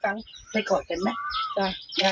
หน้าก็เกาะกัน